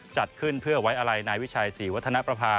จัดขึ้นเพื่อไว้อะไรนายวิชัยศรีวัฒนประภา